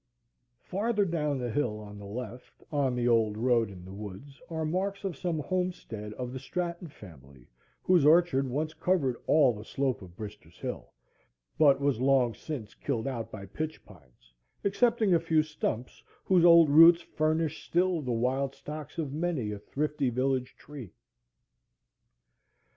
Farther down the hill, on the left, on the old road in the woods, are marks of some homestead of the Stratton family; whose orchard once covered all the slope of Brister's Hill, but was long since killed out by pitch pines, excepting a few stumps, whose old roots furnish still the wild stocks of many a thrifty village tree.